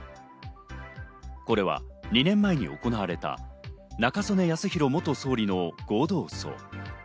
これは２年前に行われた中曽根康弘元総理の合同葬。